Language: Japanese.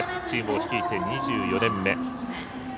チームを率いて２４年目。